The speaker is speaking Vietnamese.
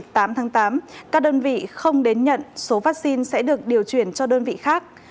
ngày tám tháng tám các đơn vị không đến nhận số vaccine sẽ được điều chuyển cho đơn vị khác